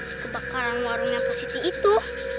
di kebakaran warung yang positif itu